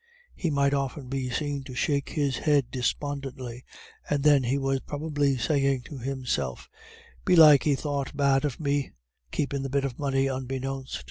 He might often be seen to shake his head despondently, and then he was probably saying to himself: "Belike he thought bad of me, keepin' the bit of money unbeknownst."